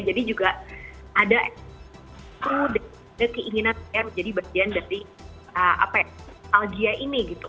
jadi juga ada keinginan saya menjadi bagian dari aljia ini gitu